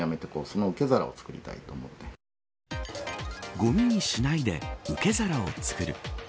ごみにしないで受け皿を作る。